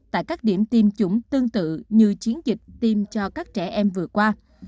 tại các điểm tiêm chủng tương tự như chiến dịch tiêm cho các trẻ em vừa qua